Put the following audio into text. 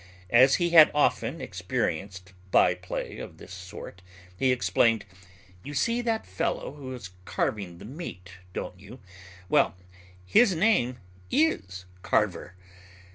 As he had often experienced byplay of this sort he explained, "You see that fellow who is carving the meat, don't you? Well, his name is Carver.